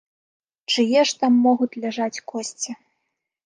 Чые ж там могуць ляжаць косці?